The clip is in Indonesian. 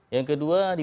yang kedua di bidang